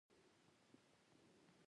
سخاوت د بخل او اسراف ترمنځ سرحد تشکیلوي.